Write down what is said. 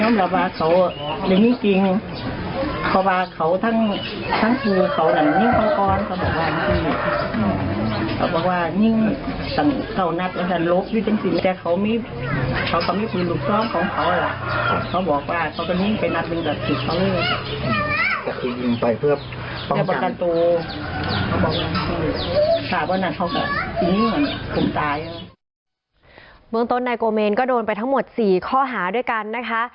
เมืองต้นนายโกเมนก็โดนไปทั้งหมด๔ข้อหาด้วยกันนะคะ